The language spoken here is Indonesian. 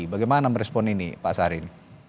bagaimana merespon ini pak sarin